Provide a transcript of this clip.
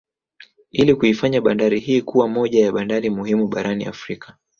Ili kuifanya bandari hii kuwa moja ya bandari muhimu barani Afrika